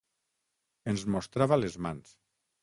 Ens mostrava les mans.